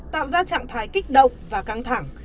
tạo ra trạng thái kích động và căng thẳng